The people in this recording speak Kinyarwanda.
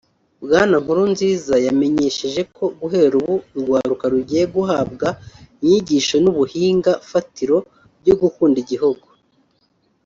Bwana Nkurunziza yamenyesheje ko guhera ubu urwaruka rugiye guhabwa inyigisho n’ubuhinga fatiro byo gukunda igihugu